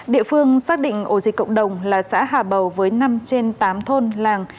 địa phương xác định ổ dịch cộng đồng là xã hà bầu với năm trên tám thôn làng